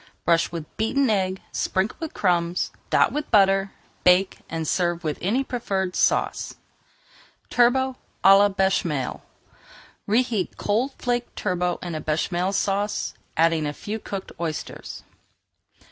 Brush with beaten egg, sprinkle with crumbs, dot with butter, bake, and serve with any preferred sauce. TURBOT À LA BÉCHAMEL Reheat cold flaked turbot in a Béchamel Sauce, adding a few cooked oysters.